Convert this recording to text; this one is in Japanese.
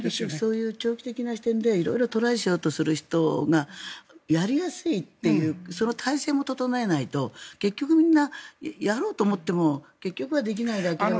そういう長期的な視点で色々トライしようとする人がやりやすいっていうその体制も整えないと結局みんな、やろうと思っても結局できないで諦めてと。